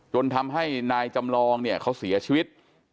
จนทำให้นายจำลองเนี่ยเขาเสียชีวิต